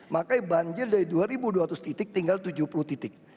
makanya banjir dari dua dua ratus titik tinggal tujuh puluh titik